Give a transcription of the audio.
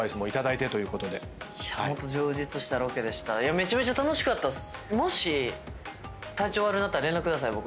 めちゃめちゃ楽しかったっす！